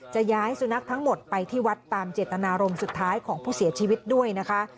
ย้ายสุนัขทั้งหมดไปที่วัดตามเจตนารมณ์สุดท้ายของผู้เสียชีวิตด้วยนะคะ